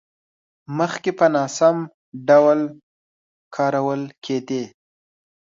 مخکې په ناسم ډول کارول کېدې.